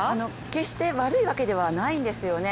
決して悪いわけではないんですよね。